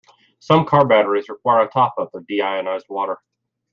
Some Car batteries require a top-up of deionized water.